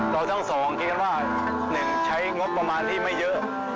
ทั้งสองคิดว่า๑ใช้งบประมาณที่ไม่เยอะ